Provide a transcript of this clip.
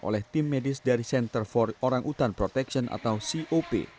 oleh tim medis dari center for orangutan protection atau cop